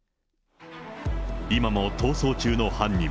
今も逃走中の犯人。